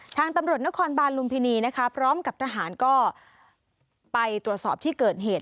ทางตำรวจนครบานลุมพินีนะคะพร้อมกับทหารก็ไปตรวจสอบที่เกิดเหตุ